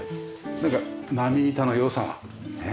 なんか波板の良さがねえ。